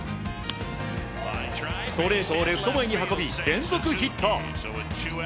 ストレートをレフト前に運び連続ヒット。